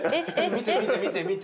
見て見て見て見て！